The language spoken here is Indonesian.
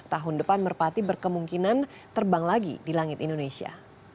tahun depan merpati berkemungkinan terbang lagi di langit indonesia